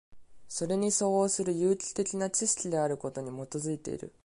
それに相応する有機的な知識であることに基いている。